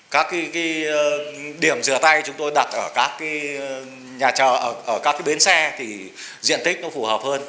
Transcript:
các điểm rửa tay chúng tôi đặt ở các bến xe thì diện tích phù hợp hơn